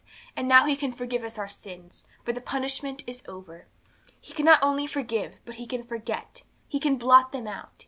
And now He can forgive us our sins, for the punishment is over. He can not only forgive, but He can forget. He can blot them out.